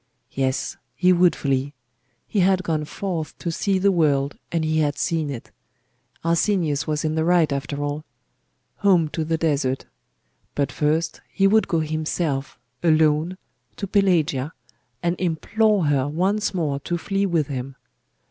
Yes, he would flee. He had gone forth to see the world, and he had seen it. Arsenius was in the right after all. Home to the desert! But first he would go himself, alone, to Pelagia, and implore her once more to flee with him.